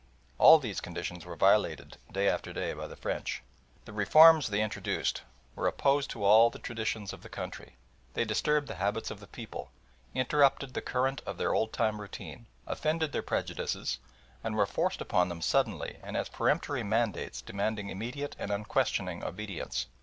All these conditions were violated day after day by the French. The reforms they introduced were opposed to all the traditions of the country. They disturbed the habits of the people, interrupted the current of their old time routine, offended their prejudices, and were forced upon them suddenly and as peremptory mandates demanding immediate and unquestioning obedience.